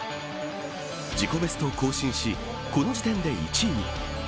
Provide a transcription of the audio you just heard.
自己ベストを更新しこの時点で１位に。